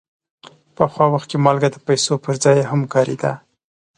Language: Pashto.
پخوا وخت کې مالګه د پیسو پر ځای هم کارېده.